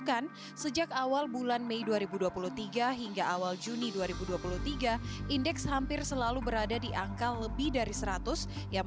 ancaman nomor satu non perang